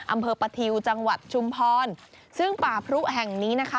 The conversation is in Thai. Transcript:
อำเภอปะทิวจังหวัดชุมพรซึ่งป่าพรุแห่งนี้นะคะ